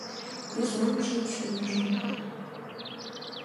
Изолыкшын шудыжым